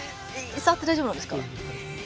触って大丈夫なんですか？